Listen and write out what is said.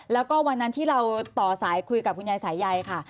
แล้วก็วันนั้นที่เราต่อสายคุยกับคุณยายสายใยค่ะ